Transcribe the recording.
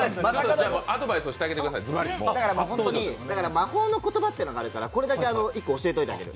魔法の言葉っていうのがあるから、これだけ１個教えておいてあげる。